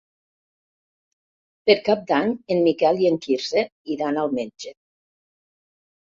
Per Cap d'Any en Miquel i en Quirze iran al metge.